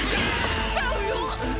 来ちゃうよ！